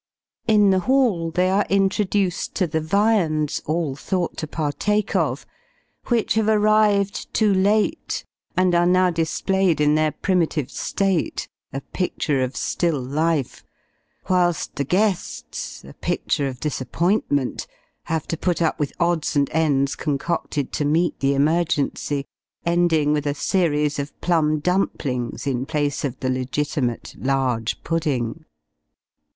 ] In the hall they are introduced to the viands, all thought to partake of; which have arrived too late, and are now displayed in their primitive state a picture of still life; whilst the guests a picture of disappointment have to put up with odds and ends, concocted to meet the emergency, ending with a series of plum dumplings, in place of the legitimate large pudding.